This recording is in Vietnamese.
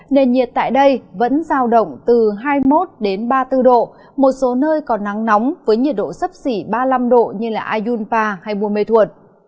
nền nhiệt tại đây vẫn giao động từ hai mươi một ba mươi bốn độ một số nơi còn nắng nóng với nhiệt độ sấp xỉ ba mươi năm độ như ayunpa hay buôn mê thuột